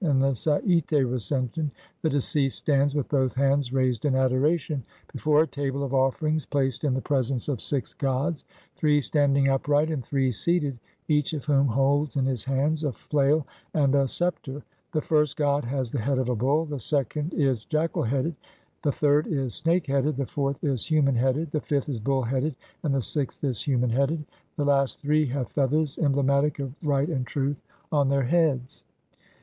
In the Sai'te Re cension (Lepsius, op. cit., Bl. 51) the deceased stands, with both hands raised in adoration, before a table of offerings placed in the presence of six gods, three standing upright and three seated, each of whom holds in his hands a flail and a sceptre. The first god has the head of a bull, the second is jackal headed, the third is snake headed, the fourth is human headed, the fifth is bull headed, and the sixth is human headed. The last three have feathers, emblematic of right and truth, on their heads.